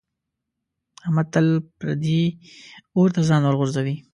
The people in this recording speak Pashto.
احمد تل پردي اور ته ځان ورغورځوي.